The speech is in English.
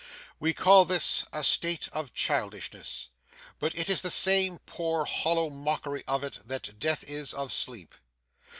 We call this a state of childishness, but it is the same poor hollow mockery of it, that death is of sleep.